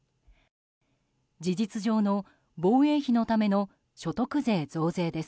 事実上の防衛費のための所得税増税です。